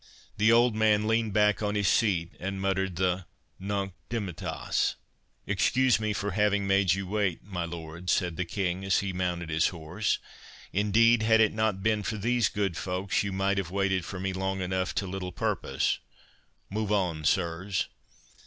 The old man leaned back on his seat, and muttered the Nunc dimittas. "Excuse me for having made you wait, my lords," said the King, as he mounted his horse; "indeed, had it not been for these good folks, you might have waited for me long enough to little purpose.—Move on, sirs."